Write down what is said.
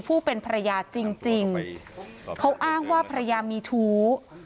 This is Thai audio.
ผู้เป็นภรรยาจริงเขาอ้างว่าภรรยามีชู้